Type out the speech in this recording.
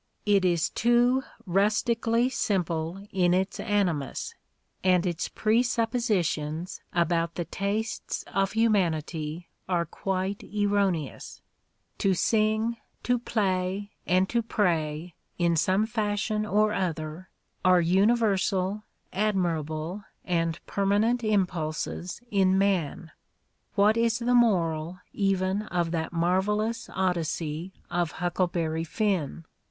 It is too rustically simple in its animus, and its presuppositions about the tastes 244 The Ordeal of Mark Twain of htimanity are quite erroneous: to sing, to play and to pray, in some fashion or other, are universal, admir able and permanent impulses in man. What is the moral even of that marvelous Odyssey of "Huckleberry Finn"?